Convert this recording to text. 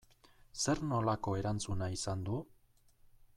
Zer nolako erantzuna izan du?